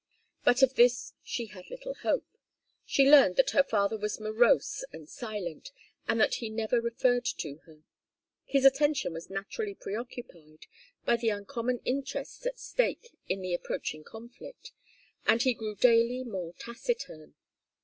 But of this she had little hope. She learned that her father was morose and silent, and that he never referred to her. His attention was naturally preoccupied by the uncommon interests at stake in the approaching conflict, and he grew daily more taciturn.